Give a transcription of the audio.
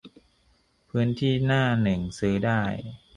- พื้นที่หน้าหนึ่งซื้อได้